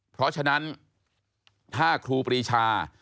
เพราะฉะนั้นถ้าครูปรีชา